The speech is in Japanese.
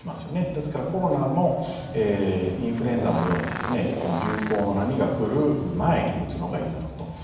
ですから、コロナもインフルエンザのようにその流行の波が来る前に打つのがいいだろうと。